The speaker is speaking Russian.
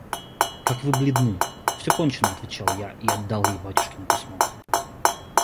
– Как вы бледны!» – «Все кончено!» – отвечал я и отдал ей батюшкино письмо.